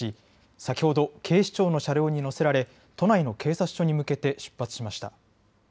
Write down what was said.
先ほど警視庁の車両に乗せられ都内の警察署に向けて出発しました。